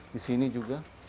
di sini juga